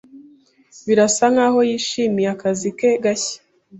Birasa nkaho yishimiye akazi ke gashya.